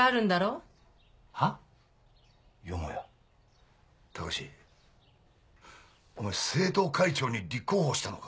よもや貴志お前生徒会長に立候補したのか。